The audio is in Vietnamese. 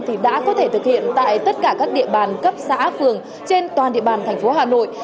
thì đã có thể thực hiện tại tất cả các địa bàn cấp xã phường trên toàn địa bàn thành phố hà nội